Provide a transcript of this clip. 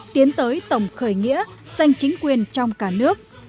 tiến tới tổng khởi nghĩa xanh chính quyền trong cả nước